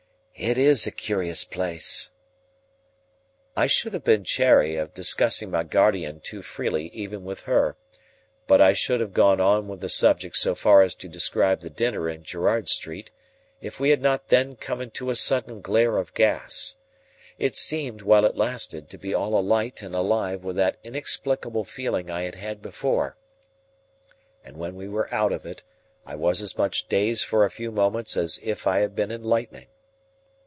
"It is a curious place." I should have been chary of discussing my guardian too freely even with her; but I should have gone on with the subject so far as to describe the dinner in Gerrard Street, if we had not then come into a sudden glare of gas. It seemed, while it lasted, to be all alight and alive with that inexplicable feeling I had had before; and when we were out of it, I was as much dazed for a few moments as if I had been in lightning.